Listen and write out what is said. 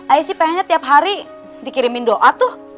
ayah sih pengennya tiap hari dikirimin doa tuh